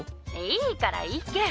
いいから行け。